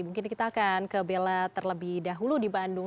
mungkin kita akan ke bella terlebih dahulu di bandung